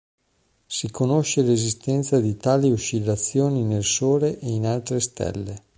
Si conosce l'esistenza di tali oscillazioni nel sole e in altre stelle.